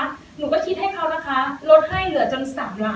หนูก็คิดให้เขานะคะลดให้เหลือจน๓ล้าน